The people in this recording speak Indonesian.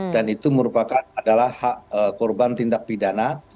dan itu merupakan adalah hak korban tindak pidana